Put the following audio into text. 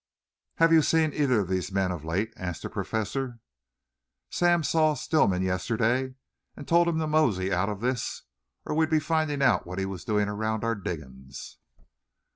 "Have you seen either of these men of late?" asked the Professor. "Sam saw Stillman yesterday and told him to mosey out of this or we'd be finding out what he was doing around our diggings."